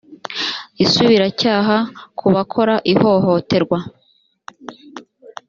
isubiracyaha ku bakora ihohoterwa